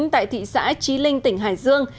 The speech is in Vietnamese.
tại thị xã trí linh tỉnh hải dương